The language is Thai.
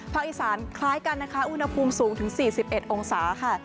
อีสานคล้ายกันนะคะอุณหภูมิสูงถึง๔๑องศาค่ะ